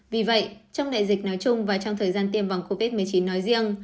vì vậy trong đại dịch nói chung và trong thời gian tiêm vòng covid một mươi chín nói riêng